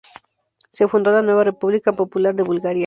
Se fundó la nueva República Popular de Bulgaria.